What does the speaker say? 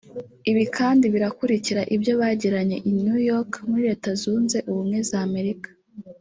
Ibi kandi birakurikira ibyo bagiranye i New York muri Leta Zunze Ubumwe za Amerika